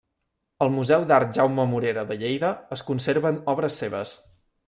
Al Museu d'Art Jaume Morera de Lleida es conserven obres seves.